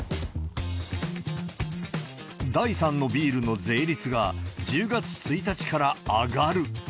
第３のビールの税率が１０月１日から上がる。